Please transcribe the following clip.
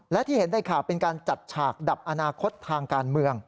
และที่เห็นในข่าวเป็นการจัดฉากดับอนาคตทางการเมือง